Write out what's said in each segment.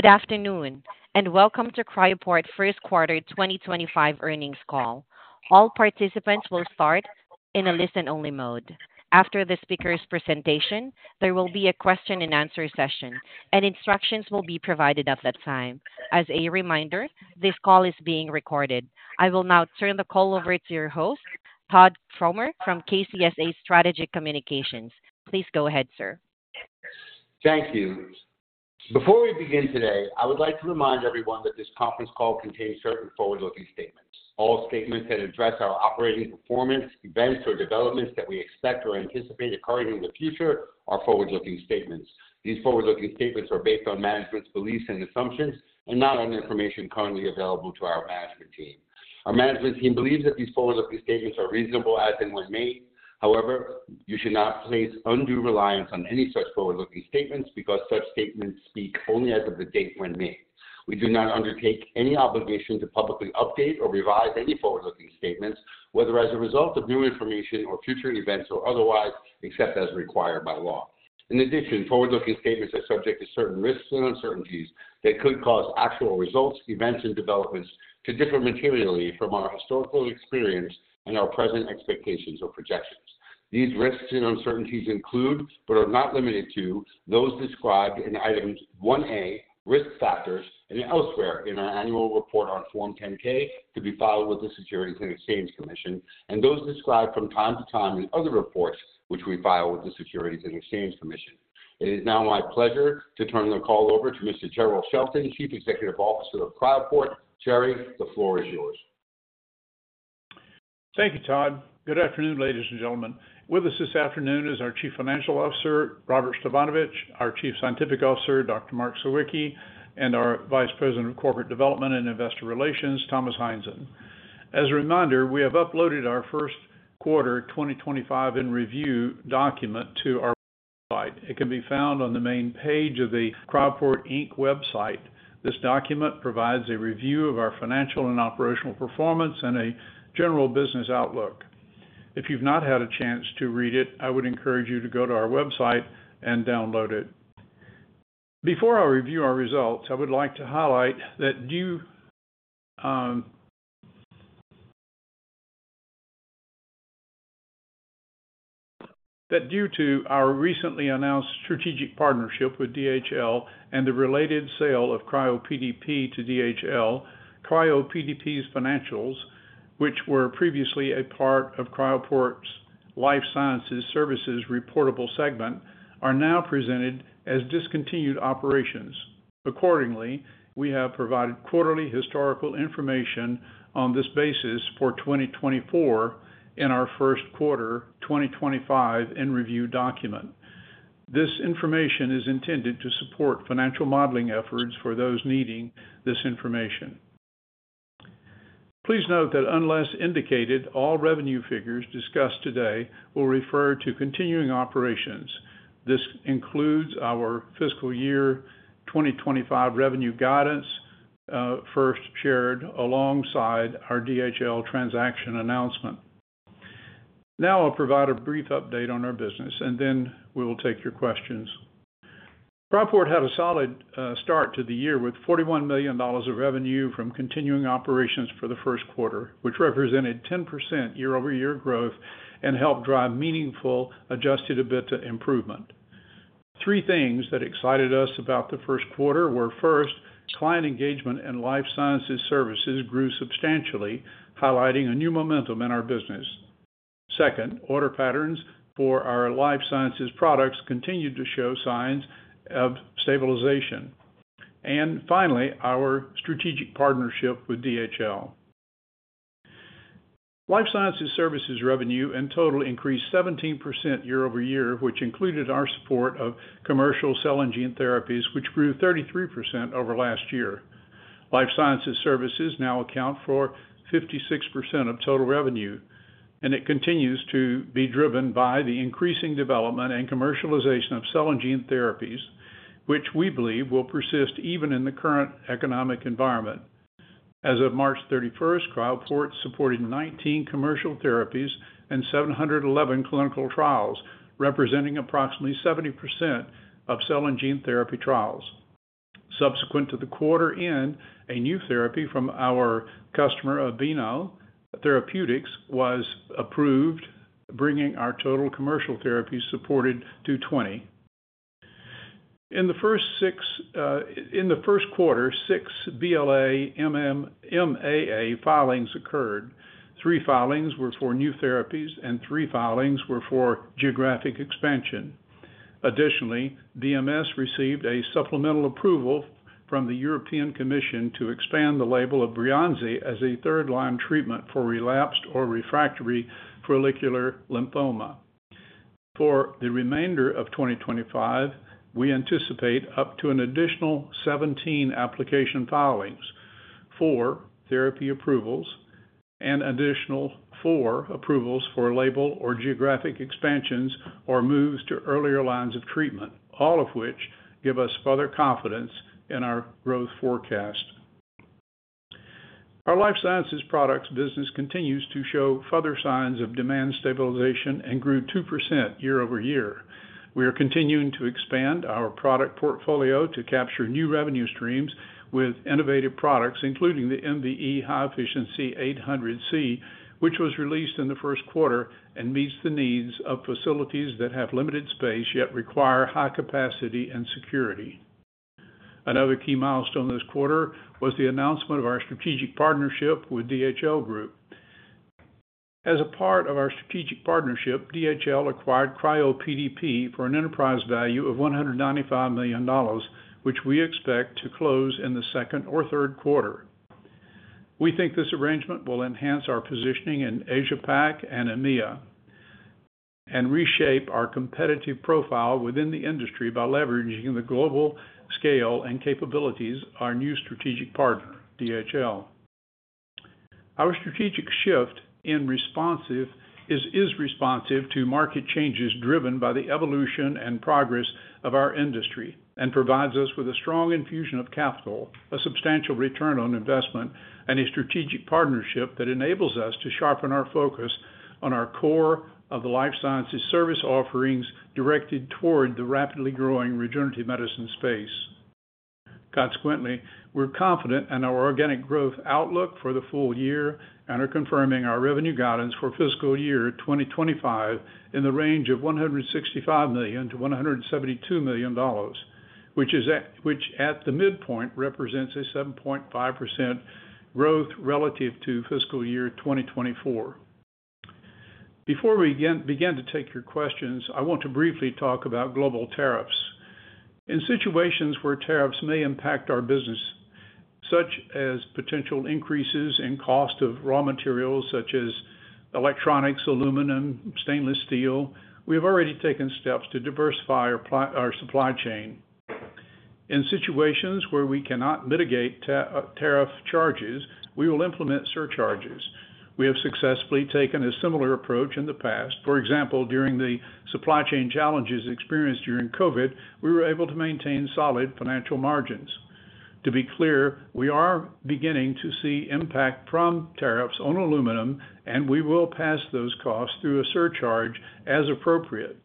Good afternoon, and welcome to Cryoport First Quarter 2025 earnings call. All participants will start in a listen-only mode. After the speaker's presentation, there will be a question-and-answer session, and instructions will be provided at that time. As a reminder, this call is being recorded. I will now turn the call over to your host, Todd Fromer from KCSA Strategic Communications. Please go ahead, sir. Thank you. Before we begin today, I would like to remind everyone that this conference call contains certain forward-looking statements. All statements that address our operating performance, events, or developments that we expect or anticipate occurring in the future are forward-looking statements. These forward-looking statements are based on management's beliefs and assumptions, and not on information currently available to our management team. Our management team believes that these forward-looking statements are reasonable as and when made. However, you should not place undue reliance on any such forward-looking statements because such statements speak only as of the date when made. We do not undertake any obligation to publicly update or revise any forward-looking statements, whether as a result of new information or future events or otherwise, except as required by law. In addition, forward-looking statements are subject to certain risks and uncertainties that could cause actual results, events, and developments to differ materially from our historical experience and our present expectations or projections. These risks and uncertainties include, but are not limited to, those described in Item 1A, Risk Factors, and elsewhere in our annual report on Form 10-K to be filed with the U.S. Securities and Exchange Commission, and those described from time to time in other reports which we file with the U.S. Securities and Exchange Commission. It is now my pleasure to turn the call over to Mr. Jerrell Shelton, Chief Executive Officer of Cryoport. Jerry, the floor is yours. Thank you, Todd. Good afternoon, ladies and gentlemen. With us this afternoon is our Chief Financial Officer, Robert Stefanovich, our Chief Scientific Officer, Dr. Mark Sawicki, and our Vice President of Corporate Development and Investor Relations, Thomas Heinzen. As a reminder, we have uploaded our First Quarter 2025 and review document to our website. It can be found on the main page of the Cryoport website. This document provides a review of our financial and operational performance and a general business outlook. If you've not had a chance to read it, I would encourage you to go to our website and download it. Before I review our results, I would like to highlight that due to our recently announced strategic partnership with DHL and the related sale of CryoPDP to DHL, CryoPDP's financials, which were previously a part of Cryoport's Life Sciences Services reportable segment, are now presented as discontinued operations. Accordingly, we have provided quarterly historical information on this basis for 2024 in our First Quarter 2025 and review document. This information is intended to support financial modeling efforts for those needing this information. Please note that unless indicated, all revenue figures discussed today will refer to continuing operations. This includes our Fiscal Year 2025 revenue guidance first shared alongside our DHL transaction announcement. Now I'll provide a brief update on our business, and then we will take your questions. Cryoport had a solid start to the year with $41 million of revenue from continuing operations for the first quarter, which represented 10% year-over-year growth and helped drive meaningful adjusted EBITDA improvement. Three things that excited us about the first quarter were, first, client engagement and life sciences services grew substantially, highlighting a new momentum in our business. Second, order patterns for our life sciences products continued to show signs of stabilization. Finally, our strategic partnership with DHL. Life sciences services revenue in total increased 17% year-over-year, which included our support of commercial cell and gene therapies, which grew 33% over last year. Life sciences services now account for 56% of total revenue, and it continues to be driven by the increasing development and commercialization of cell and gene therapies, which we believe will persist even in the current economic environment. As of March 31, Cryoport supported 19 commercial therapies and 711 clinical trials, representing approximately 70% of cell and gene therapy trials. Subsequent to the quarter end, a new therapy from our customer Aveeno Therapeutics was approved, bringing our total commercial therapies supported to 20. In the first quarter, six BLA-MMAA filings occurred. Three filings were for new therapies, and three filings were for geographic expansion. Additionally, Bristol-Myers Squibb received a supplemental approval from the European Commission to expand the label of Breonzi as a third-line treatment for relapsed or refractory follicular lymphoma. For the remainder of 2025, we anticipate up to an additional 17 application filings for therapy approvals and an additional four approvals for label or geographic expansions or moves to earlier lines of treatment, all of which give us further confidence in our growth forecast. Our life sciences products business continues to show further signs of demand stabilization and grew 2% year-over-year. We are continuing to expand our product portfolio to capture new revenue streams with innovative products, including the MVE High Efficiency 800C, which was released in the first quarter and meets the needs of facilities that have limited space yet require high capacity and security. Another key milestone this quarter was the announcement of our strategic partnership with DHL Group. As a part of our strategic partnership, DHL acquired Cryoport DP for an enterprise value of $195 million, which we expect to close in the second or third quarter. We think this arrangement will enhance our positioning in Asia-Pacific and Europe, Middle East and Africa and reshape our competitive profile within the industry by leveraging the global scale and capabilities of our new strategic partner, DHL. Our strategic shift is responsive to market changes driven by the evolution and progress of our industry and provides us with a strong infusion of capital, a substantial return on investment, and a strategic partnership that enables us to sharpen our focus on our core of the life sciences service offerings directed toward the rapidly growing regenerative medicine space. Consequently, we're confident in our organic growth outlook for the full year and are confirming our revenue guidance for Fiscal Year 2025 in the range of $165 million-$172 million, which at the midpoint represents a 7.5% growth relative to Fiscal Year 2024. Before we begin to take your questions, I want to briefly talk about global tariffs. In situations where tariffs may impact our business, such as potential increases in cost of raw materials such as electronics, aluminum, and stainless steel, we have already taken steps to diversify our supply chain. In situations where we cannot mitigate tariff charges, we will implement surcharges. We have successfully taken a similar approach in the past. For example, during the supply chain challenges experienced during COVID, we were able to maintain solid financial margins. To be clear, we are beginning to see impact from tariffs on aluminum, and we will pass those costs through a surcharge as appropriate.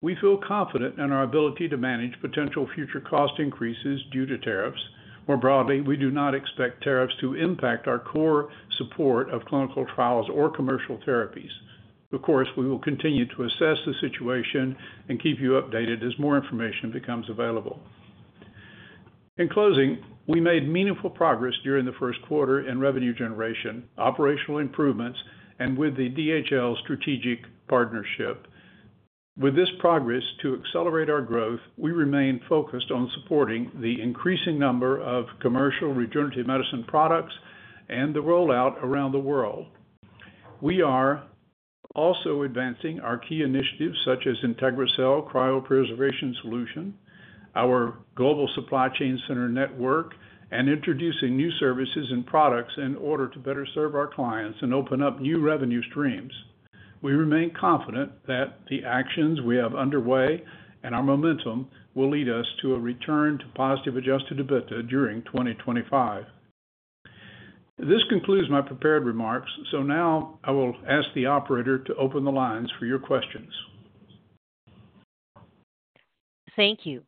We feel confident in our ability to manage potential future cost increases due to tariffs. More broadly, we do not expect tariffs to impact our core support of clinical trials or commercial therapies. Of course, we will continue to assess the situation and keep you updated as more information becomes available. In closing, we made meaningful progress during the first quarter in revenue generation, operational improvements, and with the DHL strategic partnership. With this progress to accelerate our growth, we remain focused on supporting the increasing number of commercial regenerative medicine products and the rollout around the world. We are also advancing our key initiatives such as IntegraCell Cryopreservation Solution, our Global Supply Chain Center network, and introducing new services and products in order to better serve our clients and open up new revenue streams. We remain confident that the actions we have underway and our momentum will lead us to a return to positive adjusted EBITDA during 2025. This concludes my prepared remarks, so now I will ask the operator to open the lines for your questions. Thank you.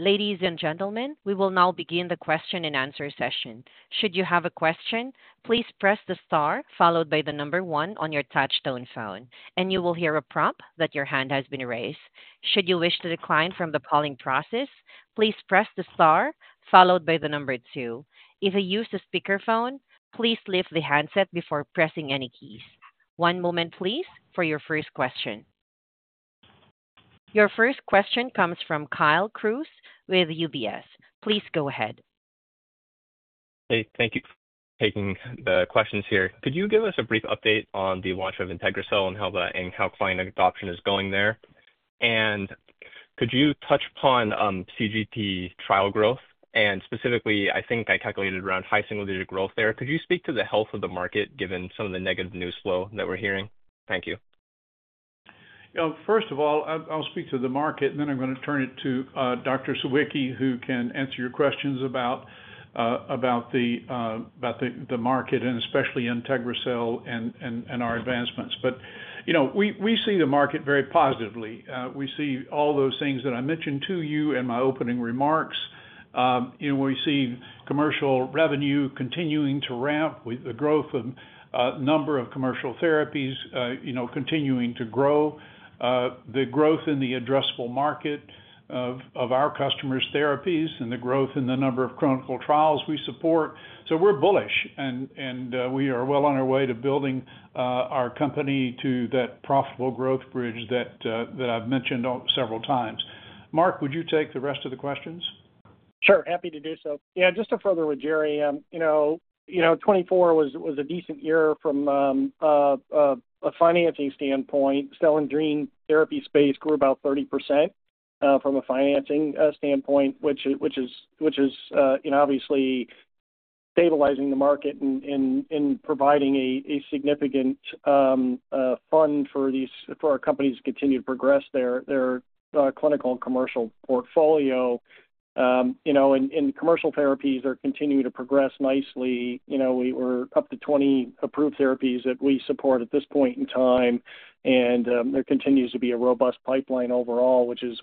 Ladies and gentlemen, we will now begin the question-and-answer session. Should you have a question, please press the star followed by the number one on your touch-tone phone, and you will hear a prompt that your hand has been raised. Should you wish to decline from the polling process, please press the star followed by the number two. If you use the speakerphone, please lift the handset before pressing any keys. One moment, please, for your first question. Your first question comes from Kyle Cruz with UBS. Please go ahead. Hey, thank you for taking the questions here. Could you give us a brief update on the launch of IntegraCell and how client adoption is going there? Could you touch upon CGT trial growth? Specifically, I think I calculated around high single-digit growth there. Could you speak to the health of the market given some of the negative news flow that we're hearing? Thank you. Yeah, first of all, I'll speak to the market, and then I'm going to turn it to Dr. Sawicki, who can answer your questions about the market and especially IntegraCell and our advancements. We see the market very positively. We see all those things that I mentioned to you in my opening remarks. We see commercial revenue continuing to ramp with the growth of a number of commercial therapies continuing to grow, the growth in the addressable market of our customers' therapies, and the growth in the number of clinical trials we support. We're bullish, and we are well on our way to building our company to that profitable growth bridge that I've mentioned several times. Mark, would you take the rest of the questions? Sure, happy to do so. Yeah, just to further with Jerry, you know 2024 was a decent year from a financing standpoint. Cell and gene therapy space grew about 30% from a financing standpoint, which is obviously stabilizing the market and providing a significant fund for our companies to continue to progress their clinical and commercial portfolio. Commercial therapies are continuing to progress nicely. We're up to 20 approved therapies that we support at this point in time, and there continues to be a robust pipeline overall, which is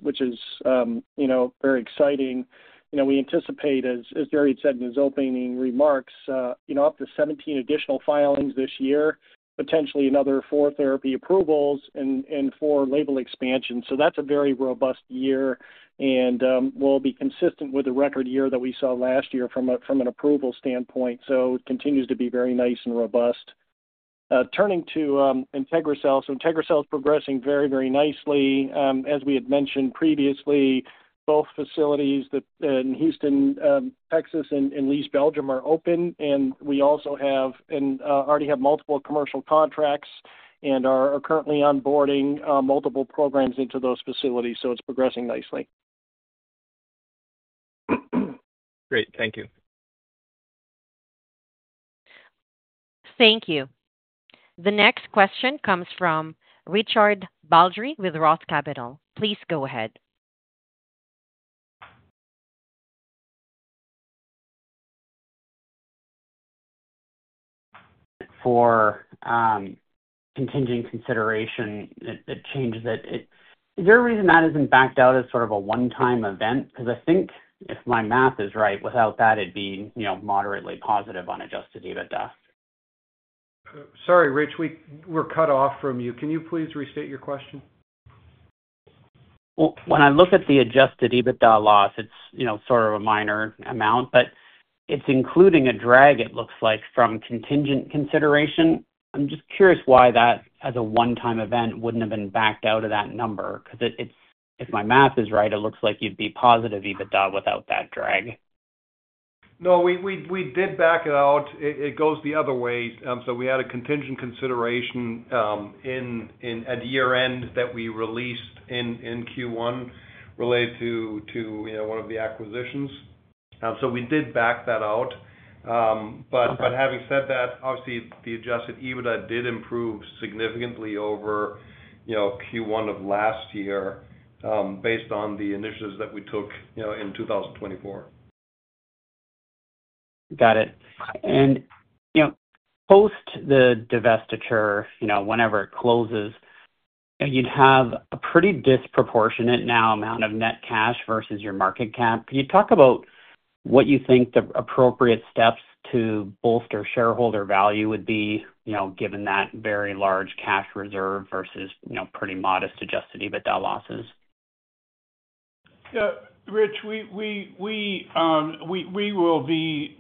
very exciting. We anticipate, as Jerry had said in his opening remarks, up to 17 additional filings this year, potentially another four therapy approvals and four label expansions. That's a very robust year, and we'll be consistent with the record year that we saw last year from an approval standpoint. It continues to be very nice and robust. Turning to IntegraCell, IntegraCell is progressing very, very nicely. As we had mentioned previously, both facilities in Houston, Texas, and Leeds, Belgium are open, and we also have and already have multiple commercial contracts and are currently onboarding multiple programs into those facilities. It is progressing nicely. Great, thank you. Thank you. The next question comes from Richard Baldry with Roth Capital. Please go ahead. For contingent consideration, it changes that. Is there a reason that isn't backed out as sort of a one-time event? Because I think if my math is right, without that, it'd be moderately positive on adjusted EBITDA. Sorry, Rich, we were cut off from you. Can you please restate your question? When I look at the adjusted EBITDA loss, it's sort of a minor amount, but it's including a drag, it looks like, from contingent consideration. I'm just curious why that, as a one-time event, wouldn't have been backed out of that number. Because if my math is right, it looks like you'd be positive EBITDA without that drag. No, we did back it out. It goes the other way. We had a contingent consideration at year-end that we released in Q1 related to one of the acquisitions. We did back that out. Having said that, obviously, the adjusted EBITDA did improve significantly over Q1 of last year based on the initiatives that we took in 2024. Got it. Post the divestiture, whenever it closes, you'd have a pretty disproportionate now amount of net cash versus your market cap. Can you talk about what you think the appropriate steps to bolster shareholder value would be given that very large cash reserve versus pretty modest adjusted EBITDA losses? Yeah, Rich, we will be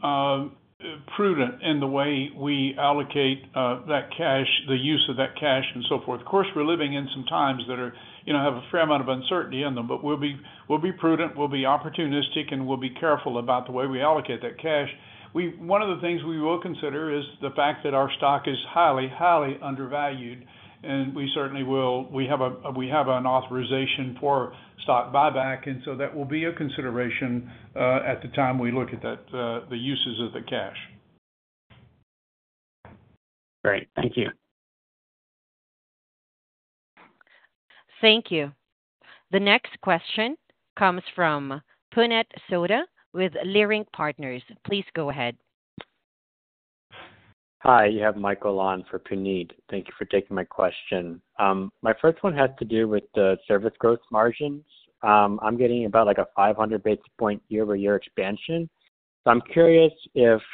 prudent in the way we allocate that cash, the use of that cash, and so forth. Of course, we're living in some times that have a fair amount of uncertainty in them, but we'll be prudent, we'll be opportunistic, and we'll be careful about the way we allocate that cash. One of the things we will consider is the fact that our stock is highly, highly undervalued, and we certainly will. We have an authorization for stock buyback, and so that will be a consideration at the time we look at the uses of the cash. Great, thank you. Thank you. The next question comes from Punet Soda with Leerink Partners. Please go ahead. Hi, you have Michael on for Punet. Thank you for taking my question. My first one has to do with the service growth margins. I'm getting about like a 500 basis point year-over-year expansion. So I'm curious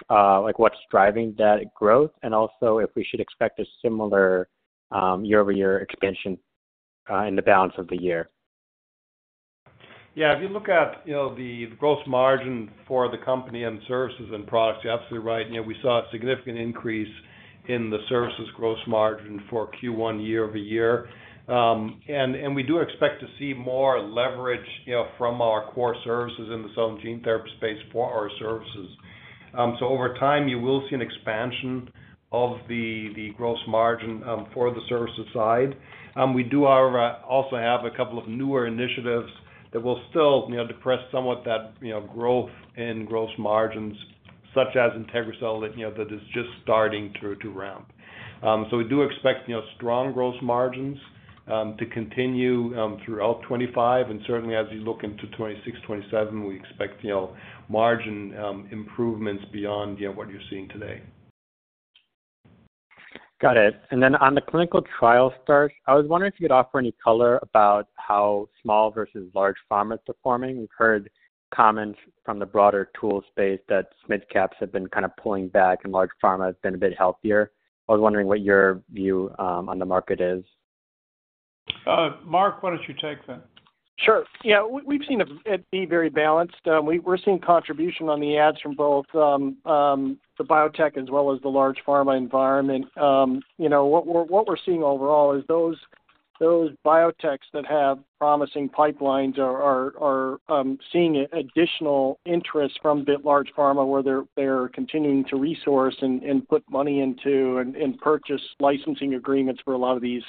what's driving that growth and also if we should expect a similar year-over-year expansion in the balance of the year. Yeah, if you look at the gross margin for the company and services and products, you're absolutely right. We saw a significant increase in the services gross margin for Q1 year-over-year. We do expect to see more leverage from our core services in the cell and gene therapy space for our services. Over time, you will see an expansion of the gross margin for the services side. We do, however, also have a couple of newer initiatives that will still depress somewhat that growth in gross margins, such as IntegraCell, that is just starting to ramp. We do expect strong gross margins to continue throughout 2025. Certainly, as you look into 2026, 2027, we expect margin improvements beyond what you're seeing today. Got it. On the clinical trial starts, I was wondering if you could offer any color about how small versus large pharma is performing. We've heard comments from the broader tool space that midcaps have been kind of pulling back and large pharma has been a bit healthier. I was wondering what your view on the market is. Mark, why don't you take that? Sure. Yeah, we've seen it be very balanced. We're seeing contribution on the ads from both the biotech as well as the large pharma environment. What we're seeing overall is those biotechs that have promising pipelines are seeing additional interest from large pharma where they're continuing to resource and put money into and purchase licensing agreements for a lot of these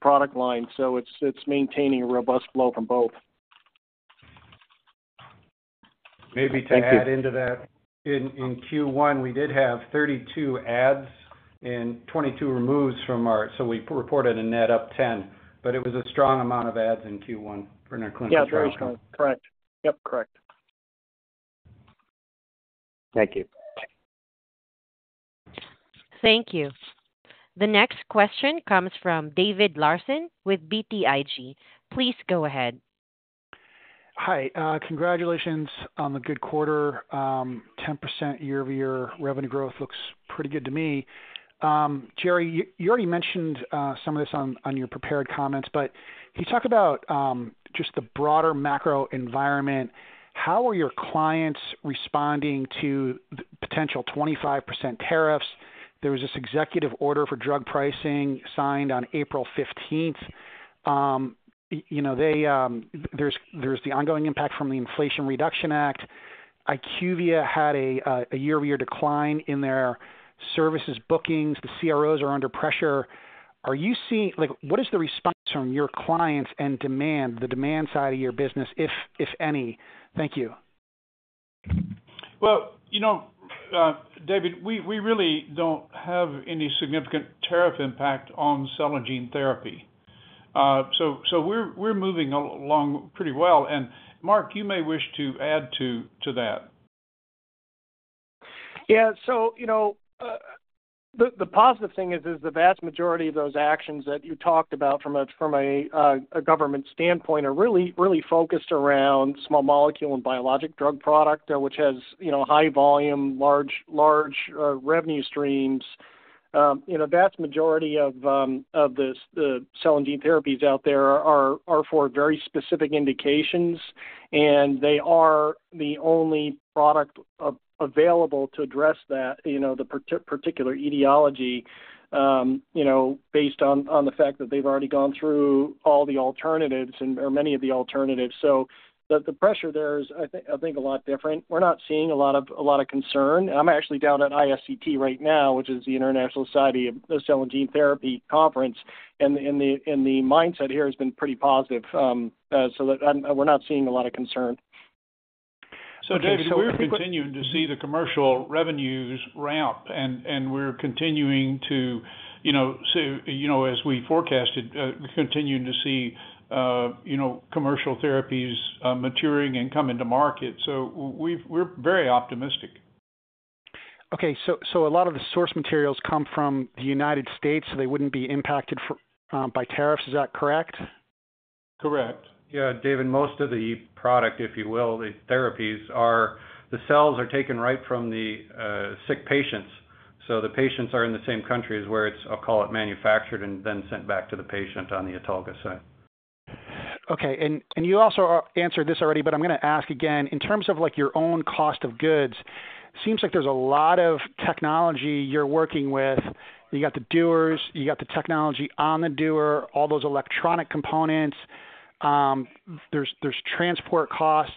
product lines. It is maintaining a robust flow from both. Maybe to add into that, in Q1, we did have 32 adds and 22 removes from our, so we reported a net up 10, but it was a strong amount of adds in Q1 for our clinical trials. Yeah, very strong. Correct. Yep, correct. Thank you. Thank you. The next question comes from David Larsen with BTIG. Please go ahead. Hi, congratulations on the good quarter. 10% year-over-year revenue growth looks pretty good to me. Jerry, you already mentioned some of this in your prepared comments, but can you talk about just the broader macro environment? How are your clients responding to potential 25% tariffs? There was this executive order for drug pricing signed on April 15th. There's the ongoing impact from the Inflation Reduction Act. IQVIA had a year-over-year decline in their services bookings. The CROs are under pressure. What is the response from your clients and demand, the demand side of your business, if any? Thank you. David, we really do not have any significant tariff impact on cell and gene therapy. So we are moving along pretty well. And Mark, you may wish to add to that. Yeah, so the positive thing is the vast majority of those actions that you talked about from a government standpoint are really focused around small molecule and biologic drug product, which has high volume, large revenue streams. The vast majority of the cell and gene therapies out there are for very specific indications, and they are the only product available to address that particular etiology based on the fact that they've already gone through all the alternatives or many of the alternatives. The pressure there is, I think, a lot different. We're not seeing a lot of concern. I'm actually down at ISCT right now, which is the International Society of Cell and Gene Therapy Conference, and the mindset here has been pretty positive. We're not seeing a lot of concern. David, we're continuing to see the commercial revenues ramp, and we're continuing to, as we forecasted, continue to see commercial therapies maturing and coming to market. We're very optimistic. Okay, so a lot of the source materials come from the United States, so they wouldn't be impacted by tariffs. Is that correct? Correct. Yeah, David, most of the product, if you will, the therapies, the cells are taken right from the sick patients. The patients are in the same countries where it is, I'll call it, manufactured and then sent back to the patient on the autologous side. Okay, and you also answered this already, but I'm going to ask again. In terms of your own cost of goods, it seems like there's a lot of technology you're working with. You got the dewars, you got the technology on the dewar, all those electronic components. There's transport costs.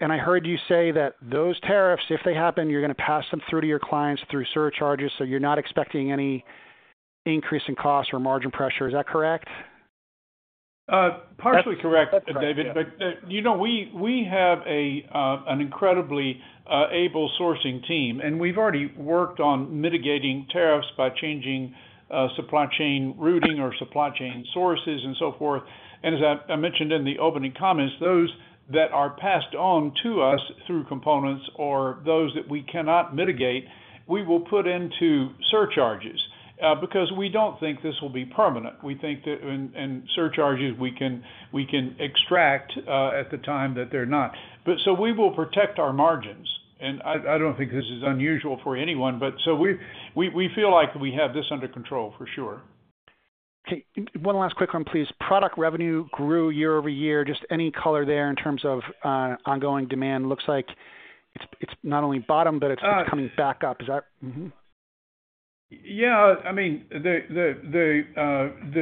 I heard you say that those tariffs, if they happen, you're going to pass them through to your clients through surcharges. You are not expecting any increase in cost or margin pressure. Is that correct? Partially correct, David. We have an incredibly able sourcing team, and we've already worked on mitigating tariffs by changing supply chain routing or supply chain sources and so forth. As I mentioned in the opening comments, those that are passed on to us through components or those that we cannot mitigate, we will put into surcharges because we do not think this will be permanent. We think that in surcharges, we can extract at the time that they're not. We will protect our margins. I do not think this is unusual for anyone, so we feel like we have this under control for sure. Okay, one last quick one, please. Product revenue grew year-over-year. Just any color there in terms of ongoing demand? Looks like it's not only bottomed, but it's coming back up. Is that? Yeah, I mean, the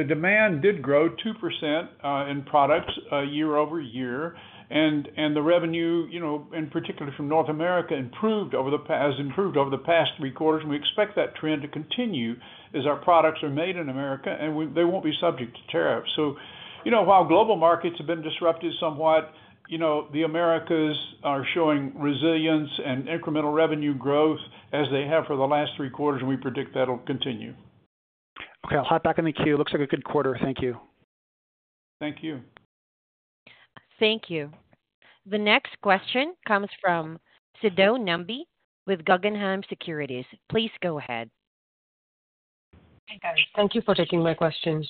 demand did grow 2% in products year-over-year. The revenue, in particular from North America, has improved over the past three quarters. We expect that trend to continue as our products are made in America, and they won't be subject to tariffs. While global markets have been disrupted somewhat, the Americas are showing resilience and incremental revenue growth as they have for the last three quarters, and we predict that'll continue. Okay, I'll hop back in the queue. Looks like a good quarter. Thank you. Thank you. Thank you. The next question comes from Siddon Nambi with Guggenheim Securities. Please go ahead. Thank you for taking my questions.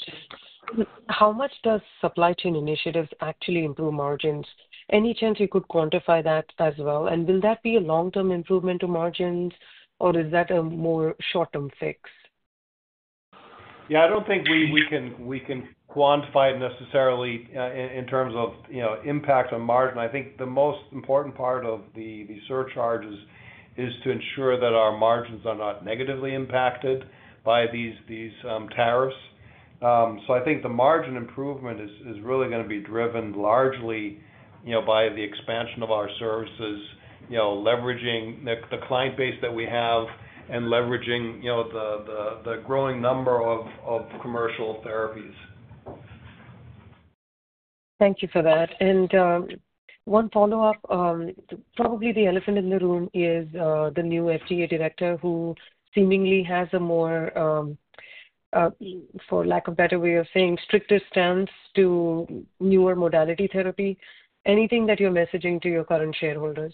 How much does supply chain initiatives actually improve margins? Any chance you could quantify that as well? Will that be a long-term improvement to margins, or is that a more short-term fix? Yeah, I don't think we can quantify it necessarily in terms of impact on margin. I think the most important part of the surcharges is to ensure that our margins are not negatively impacted by these tariffs. I think the margin improvement is really going to be driven largely by the expansion of our services, leveraging the client base that we have and leveraging the growing number of commercial therapies. Thank you for that. One follow-up. Probably the elephant in the room is the new FDA director who seemingly has a more, for lack of a better way of saying, stricter stance to newer modality therapy. Anything that you're messaging to your current shareholders?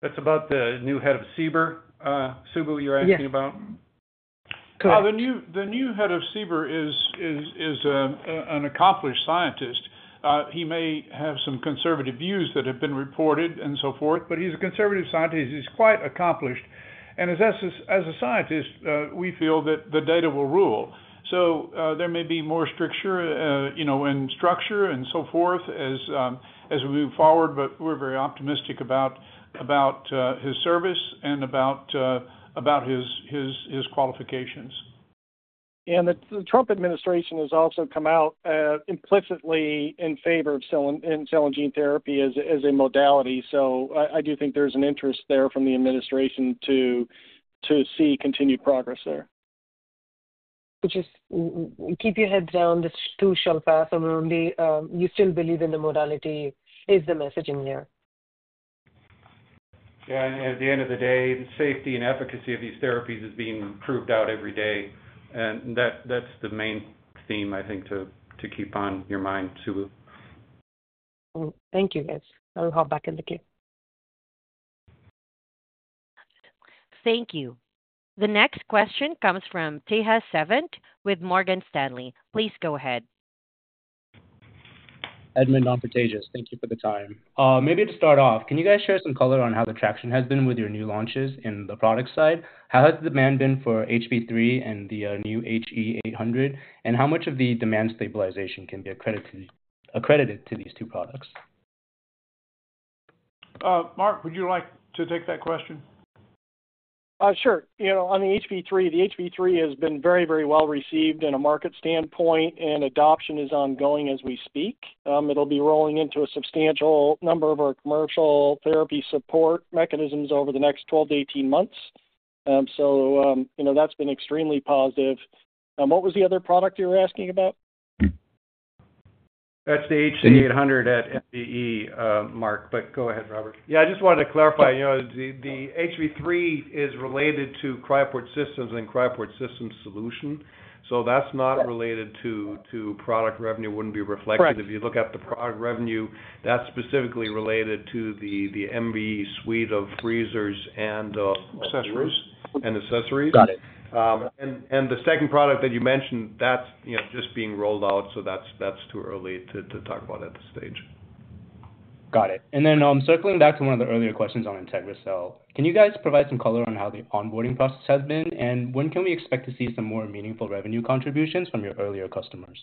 That's about the new head of CBER, Subbu, you're asking about? Yeah. The new head of CBER is an accomplished scientist. He may have some conservative views that have been reported and so forth, but he's a conservative scientist. He's quite accomplished. As a scientist, we feel that the data will rule. There may be more stricture in structure and so forth as we move forward, but we're very optimistic about his service and about his qualifications. The Trump administration has also come out implicitly in favor of cell and gene therapy as a modality. I do think there's an interest there from the administration to see continued progress there. Just keep your heads down. This is too sharp, and you still believe in the modality is the messaging here. Yeah, and at the end of the day, the safety and efficacy of these therapies is being proved out every day. That is the main theme, I think, to keep on your mind, Subbu. Thank you, guys. I'll hop back in the queue. Thank you. The next question comes from Tejas Seventh with Morgan Stanley. Please go ahead. Edmund Non-Pretagius, thank you for the time. Maybe to start off, can you guys share some color on how the traction has been with your new launches in the product side? How has the demand been for HP3 and the new HE800? How much of the demand stabilization can be accredited to these two products? Mark, would you like to take that question? Sure. On the HP3, the HP3 has been very, very well received in a market standpoint, and adoption is ongoing as we speak. It'll be rolling into a substantial number of our commercial therapy support mechanisms over the next 12-18 months. That has been extremely positive. What was the other product you were asking about? That's the HC800 at MVE, Mark, but go ahead, Robert. Yeah, I just wanted to clarify. The HP3 is related to Cryoport Systems and Cryoport Systems Solution. So that's not related to product revenue. It wouldn't be reflected. If you look at the product revenue, that's specifically related to the MVE suite of freezers and accessories. Got it. The second product that you mentioned, that's just being rolled out, so that's too early to talk about at this stage. Got it. Circling back to one of the earlier questions on IntegraCell, can you guys provide some color on how the onboarding process has been? When can we expect to see some more meaningful revenue contributions from your earlier customers?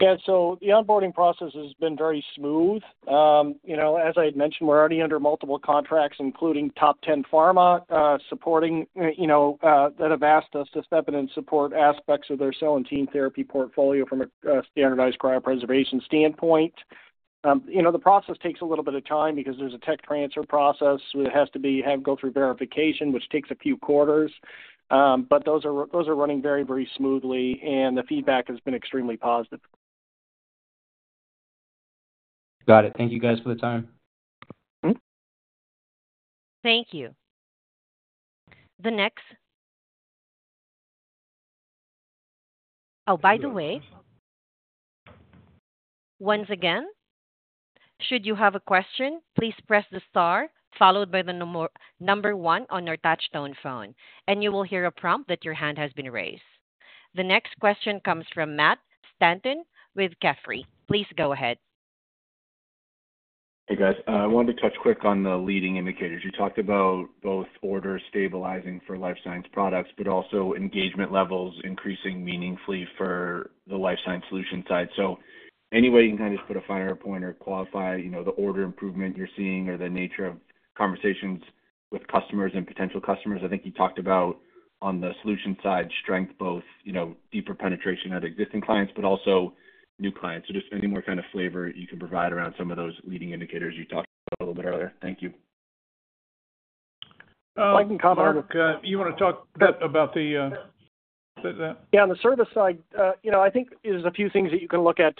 Yeah, so the onboarding process has been very smooth. As I had mentioned, we're already under multiple contracts, including top 10 pharma supporting that have asked us to step in and support aspects of their cell and gene therapy portfolio from a standardized cryopreservation standpoint. The process takes a little bit of time because there's a tech transfer process where it has to go through verification, which takes a few quarters. Those are running very, very smoothly, and the feedback has been extremely positive. Got it. Thank you guys for the time. Thank you. The next. Oh, by the way, once again, should you have a question, please press the star followed by the number one on your touchstone phone, and you will hear a prompt that your hand has been raised. The next question comes from Matt Stanton with Jefferies. Please go ahead. Hey, guys. I wanted to touch quick on the leading indicators. You talked about both orders stabilizing for life science products, but also engagement levels increasing meaningfully for the life science solution side. Any way you can kind of just put a finer point or qualify the order improvement you're seeing or the nature of conversations with customers and potential customers? I think you talked about on the solution side strength, both deeper penetration at existing clients, but also new clients. Just any more kind of flavor you can provide around some of those leading indicators you talked about a little bit earlier. Thank you. I can comment. Mark, you want to talk about the. Yeah, on the service side, I think there's a few things that you can look at,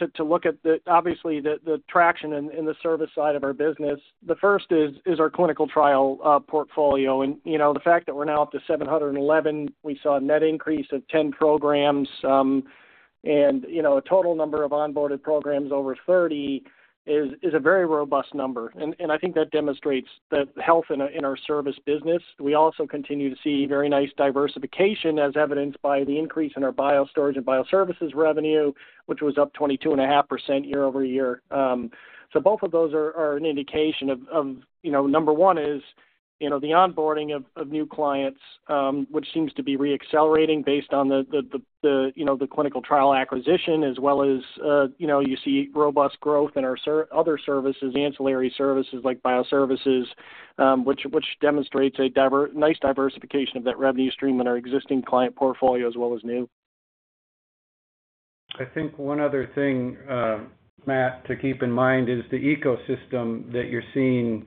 obviously, the traction in the service side of our business. The first is our clinical trial portfolio. The fact that we're now up to 711, we saw a net increase of 10 programs, and a total number of onboarded programs over 30 is a very robust number. I think that demonstrates the health in our service business. We also continue to see very nice diversification as evidenced by the increase in our biostorage and bioservices revenue, which was up 22.5% year-over-year. Both of those are an indication of, number one, the onboarding of new clients, which seems to be re-accelerating based on the clinical trial acquisition, as well as you see robust growth in our other services, ancillary services like bioservices, which demonstrates a nice diversification of that revenue stream in our existing client portfolio as well as new. I think one other thing, Matt, to keep in mind is the ecosystem that you're seeing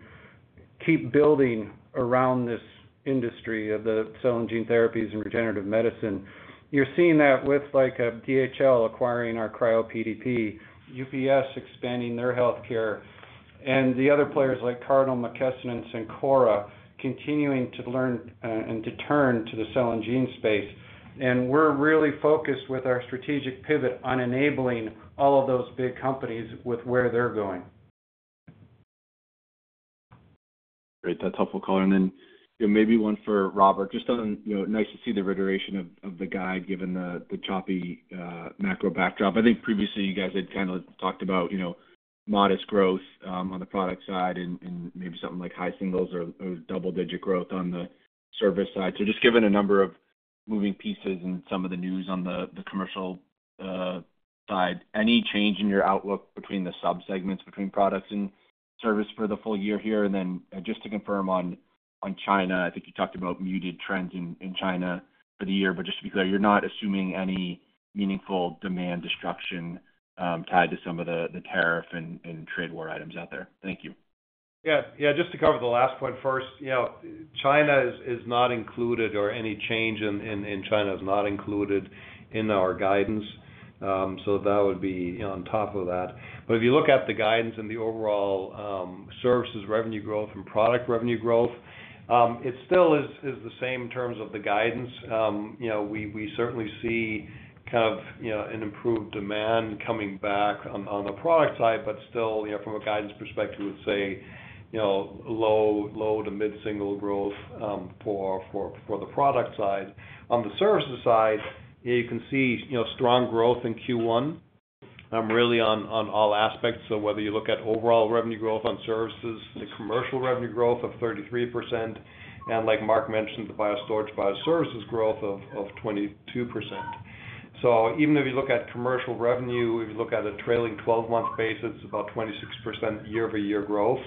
keep building around this industry of the cell and gene therapies and regenerative medicine. You're seeing that with DHL acquiring our CRYOPDP, UPS expanding their healthcare, and the other players like Cardinal Health and Sencora continuing to learn and to turn to the cell and gene space. We're really focused with our strategic pivot on enabling all of those big companies with where they're going. Great. That's helpful, Colin. Maybe one for Robert. Just nice to see the reiteration of the guide given the choppy macro backdrop. I think previously you guys had kind of talked about modest growth on the product side and maybe something like high singles or double-digit growth on the service side. Just given a number of moving pieces and some of the news on the commercial side, any change in your outlook between the subsegments between products and service for the full year here? Just to confirm on China, I think you talked about muted trends in China for the year, but just to be clear, you're not assuming any meaningful demand destruction tied to some of the tariff and trade war items out there. Thank you. Yeah, yeah, just to cover the last point first, China is not included or any change in China is not included in our guidance. That would be on top of that. If you look at the guidance and the overall services revenue growth and product revenue growth, it still is the same in terms of the guidance. We certainly see kind of an improved demand coming back on the product side, but still, from a guidance perspective, we'd say low to mid-single growth for the product side. On the services side, you can see strong growth in Q1, really on all aspects. Whether you look at overall revenue growth on services, the commercial revenue growth of 33%, and like Mark mentioned, the biostorage bioservices growth of 22%. Even if you look at commercial revenue, if you look at a trailing 12-month basis, it's about 26% year-over-year growth.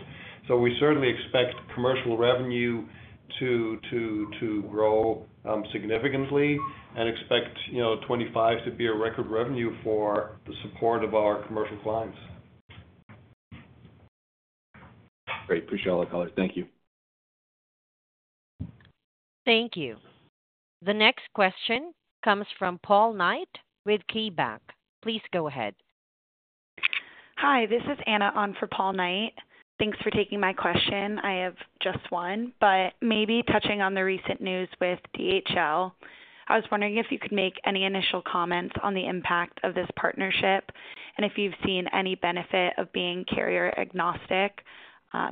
We certainly expect commercial revenue to grow significantly and expect 2025 to be a record revenue for the support of our commercial clients. Great. Appreciate all the color. Thank you. Thank you. The next question comes from Paul Knight with KeyBanc. Please go ahead. Hi, this is Anna on for Paul Knight. Thanks for taking my question. I have just one, but maybe touching on the recent news with DHL. I was wondering if you could make any initial comments on the impact of this partnership and if you've seen any benefit of being carrier-agnostic,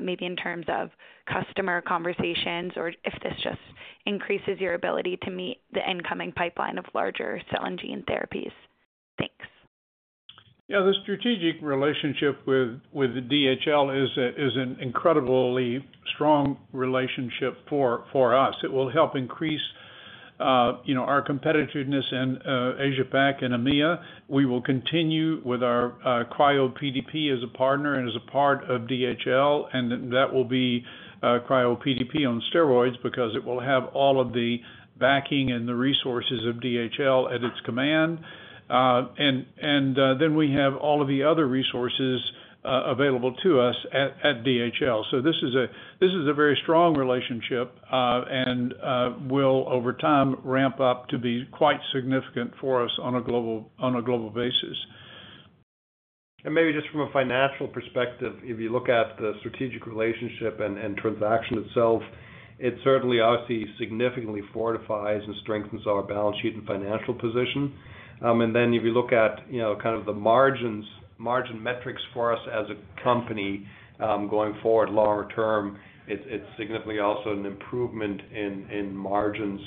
maybe in terms of customer conversations or if this just increases your ability to meet the incoming pipeline of larger cell and gene therapies. Thanks. Yeah, the strategic relationship with DHL is an incredibly strong relationship for us. It will help increase our competitiveness in Asia-Pacific and EMEA. We will continue with our CRYOPDP as a partner and as a part of DHL, and that will be CRYOPDP on steroids because it will have all of the backing and the resources of DHL at its command. We have all of the other resources available to us at DHL. This is a very strong relationship and will, over time, ramp up to be quite significant for us on a global basis. Maybe just from a financial perspective, if you look at the strategic relationship and transaction itself, it certainly, obviously, significantly fortifies and strengthens our balance sheet and financial position. If you look at kind of the margin metrics for us as a company going forward longer term, it is significantly also an improvement in margins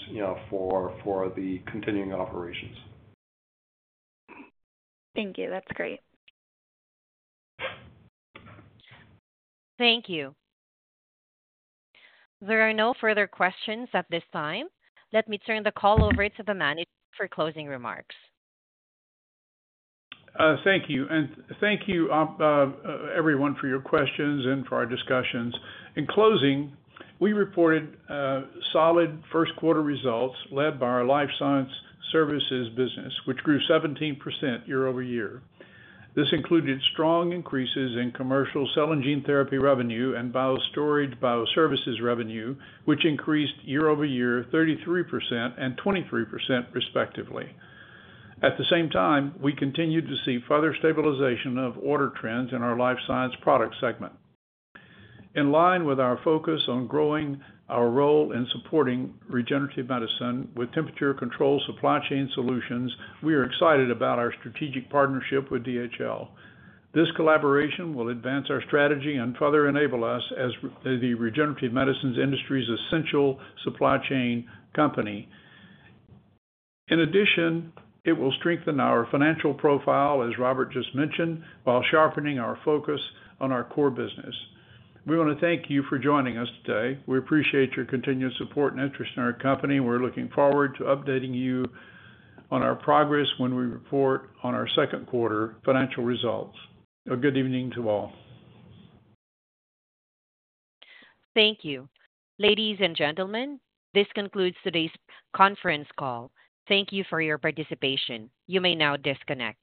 for the continuing operations. Thank you. That's great. Thank you. There are no further questions at this time. Let me turn the call over to the manager for closing remarks. Thank you. Thank you, everyone, for your questions and for our discussions. In closing, we reported solid first-quarter results led by our life sciences services business, which grew 17% year-over-year. This included strong increases in commercial cell and gene therapy revenue and biostorage bioservices revenue, which increased year-over-year 33% and 23%, respectively. At the same time, we continued to see further stabilization of order trends in our life sciences product segment. In line with our focus on growing our role in supporting regenerative medicine with temperature control supply chain solutions, we are excited about our strategic partnership with DHL. This collaboration will advance our strategy and further enable us as the regenerative medicine industry's essential supply chain company. In addition, it will strengthen our financial profile, as Robert just mentioned, while sharpening our focus on our core business. We want to thank you for joining us today. We appreciate your continued support and interest in our company. We're looking forward to updating you on our progress when we report on our second-quarter financial results. A good evening to all. Thank you. Ladies and gentlemen, this concludes today's conference call. Thank you for your participation. You may now disconnect.